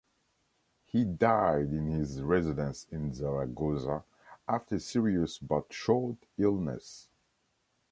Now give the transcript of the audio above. He died in his residence in Zaragoza, after a serious but short illness.